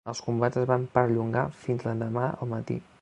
Els combats es van perllongar fins l'endemà al matí.